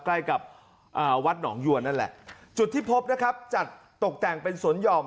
ใกล้กับวัดหนองยวนนั่นแหละจุดที่พบนะครับจัดตกแต่งเป็นสวนหย่อม